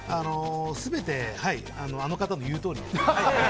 全て、あの方の言うとおり。